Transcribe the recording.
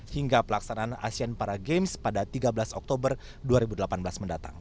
hingga pelaksanaan asean para games pada tiga belas oktober dua ribu delapan belas mendatang